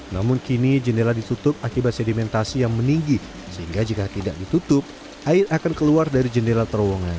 namun kini jendela ditutup akibat sedimentasi yang meninggi sehingga jika tidak ditutup air akan keluar dari jendela terowongan